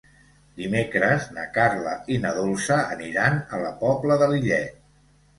Dimecres na Carla i na Dolça aniran a la Pobla de Lillet.